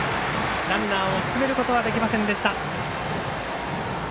ランナーを進めることはできませんでした。